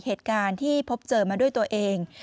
เหตุการณ์ที่พบเจอมาด้วยตัวเอง